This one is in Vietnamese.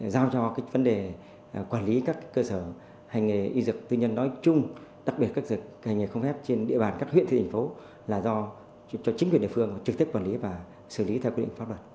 giao cho vấn đề quản lý các cơ sở hành nghề y dực tư nhân nói chung đặc biệt các dực hành nghề không phép trên địa bàn các huyện thịnh phố là do cho chính quyền địa phương trực tiếp quản lý và xử lý theo quy định pháp luật